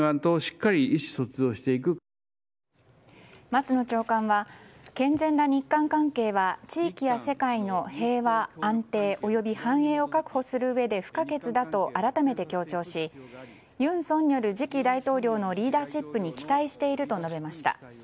松野長官は、健全な日韓関係は地域や世界の平和安定及び繁栄を確保するうえで不可欠だと改めて強調し尹錫悦次期大統領のリーダーシップに期待していると述べました。